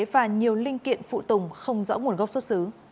và nhiều linh kiện phụ tùng không rõ nguồn gốc